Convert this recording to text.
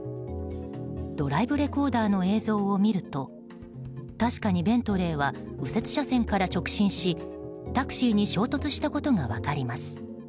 ドライブレコーダーの映像を見ると確かにベントレーは右折車線から直進しタクシーに衝突したことが分かります。